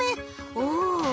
おお。